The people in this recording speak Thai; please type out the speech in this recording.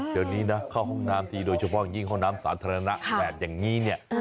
เดี๋ยวนี้นะเข้าห้องน้ำทีโดยเฉพาะอย่างยิ่งห้องน้ำสาธารณะแดดอย่างนี้เนี่ย